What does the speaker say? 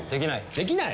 できない！？